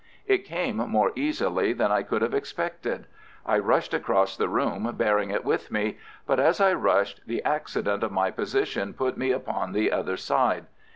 It came more easily than I could have expected. I rushed across the room, bearing it with me; but, as I rushed, the accident of my position put me upon the outer side.